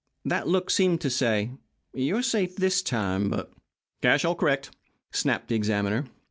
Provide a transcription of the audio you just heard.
That look seemed to say: "You're safe this time, but " "Cash all correct," snapped the examiner.